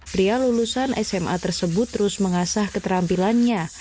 pria lulusan sma tersebut terus mengasah keterampilannya